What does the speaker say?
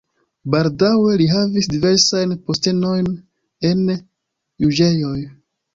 Baldaŭe li havis diversajn postenojn en juĝejoj.